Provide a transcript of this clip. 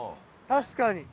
確かに。